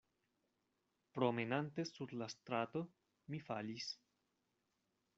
Promenante sur la strato, mi falis.